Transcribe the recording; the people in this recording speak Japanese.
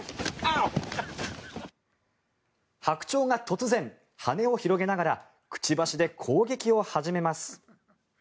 ハクチョウが突然羽を広げながらくちばしで攻撃を始めます。